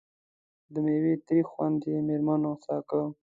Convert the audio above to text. د میوې تریخ خوند یې مېرمنو څکه.